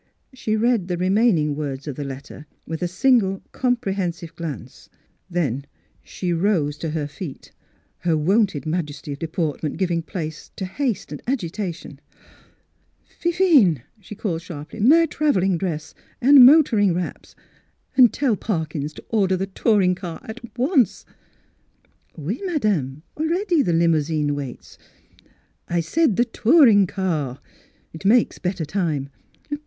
She read the remaining words of the let ter with a single comprehensive glance. Then she rose to her feet, her wonted Miss Fhilura's Wedding Gown majesty of deportment giving place to haste and agitation. "Fifine!" she called sharply. "My travelling dress, and motoring wraps, and tell Parkyns to order the touring car at once !"" Oui, madame ; already the limousine waits." " I said the touring car. It makes better time.